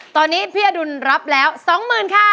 ตอนนี้พี่อดุ้นรับแล้วสองหมื่นค่ะ